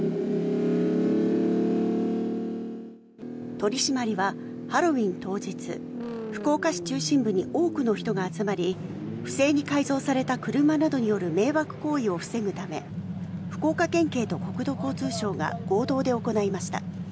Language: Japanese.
取り締まりはハロウィン当日福岡市中心部に多くの人が集まり不正に改造された車などによる迷惑行為を防ぐため福岡県警と国土交通省が合同で行いました。